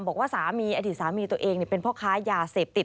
บอกว่าสามีอดีตสามีตัวเองเป็นพ่อค้ายาเสพติด